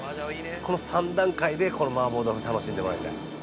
この３段階で、この麻婆豆腐楽しんでもらいたい。